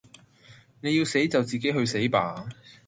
你要死就自己去死吧